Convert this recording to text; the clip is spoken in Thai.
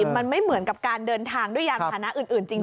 มันไม่เหมือนกับการเดินทางด้วยยานพานะอื่นจริง